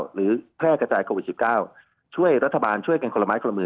แพร่กระจายโควิด๑๙ช่วยรัฐบาลช่วยกันคนละไม้คนละมือ